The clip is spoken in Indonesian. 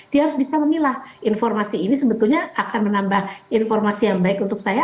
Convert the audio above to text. dia harus bisa memilah informasi ini sebetulnya akan menambah informasi yang baik untuk saya